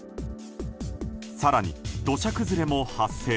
更に土砂崩れも発生。